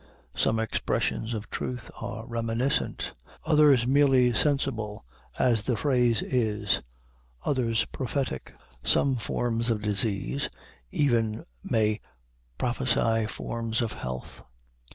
Some expressions of truth are reminiscent, others merely sensible, as the phrase is, others prophetic. Some forms of disease, even, may prophesy forms of health.